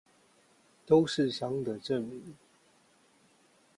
都是傷的證明